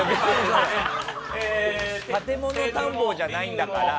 建物探訪じゃないんだから。